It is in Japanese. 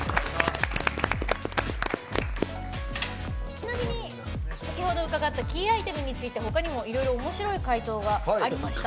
ちなみに先ほど伺ったキーアイテムについて他にもいろいろおもしろい回答がありました。